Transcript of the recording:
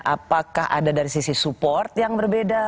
apakah ada dari sisi support yang berbeda